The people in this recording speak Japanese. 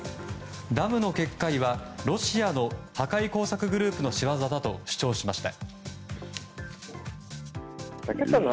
ダムの決壊は、ロシアの破壊工作グループの仕業だと主張しました。